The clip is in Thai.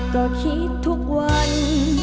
ก็คิดทุกวัน